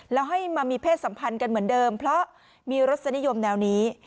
แล้วให้มามีเพศสัมพันธ์กันเหมือนเดิมเพราะมีรสนิยมแนวนี้